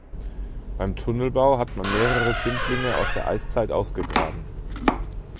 Beim Tunnelbau hat man mehrere Findlinge aus der Eiszeit ausgegraben.